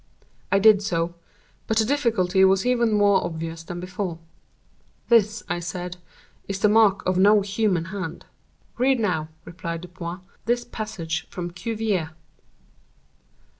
I did so; but the difficulty was even more obvious than before. "This," I said, "is the mark of no human hand." "Read now," replied Dupin, "this passage from Cuvier."